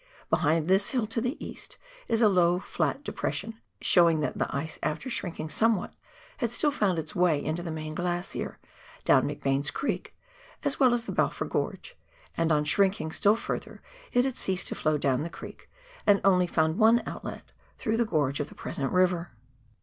Behind this hill to the east is a low flut depression, showing that the ice after shrinking somewhat had still found its way into the main glacier, down McBain's Creek, as well as the Balfour Gorge ; and on shrinking still further it had ceased to flow down the creek, and only found one outlet through the gorge of the present river.